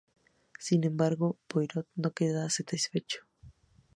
Sin embargo, Poirot no queda satisfecho.